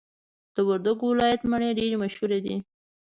د وردګو ولایت مڼي ډیري مشهور دي.